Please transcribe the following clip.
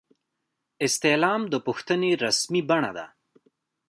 استعلام د پوښتنې رسمي بڼه ده